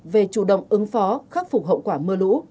về chủ động ứng phó khắc phục hậu quả mưa lũ